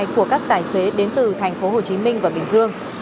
của các tài xế đến từ thành phố hồ chí minh và bình dương